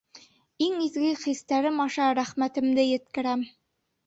— Иң изге хистәрем аша рәхмәтемде еткерәм!